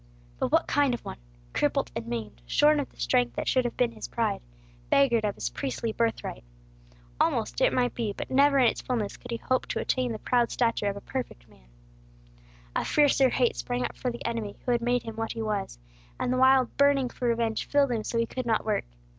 But what kind of one? Crippled and maimed, shorn of the strength that should have been his pride, beggared of his priestly birthright. Almost, it might be, but never in its fulness, could he hope to attain the proud stature of a perfect man. A fiercer hate sprang up for the enemy who had made him what he was; and the wild burning for revenge filled him so he could not work.